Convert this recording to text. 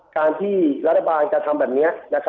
การที่รัฐบาลกระทำแบบนี้